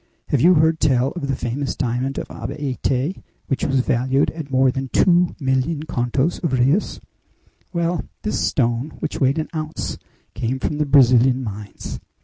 Have you heard tell of the famous diamond of Abaete, which was valued at more than two million contos of reis? Well, this stone, which weighed an ounce, came from the Brazilian mines!